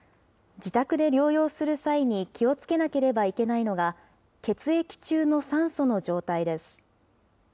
自宅で療養する際に気をつけなければいけないのが、血液中の酸素の状態です。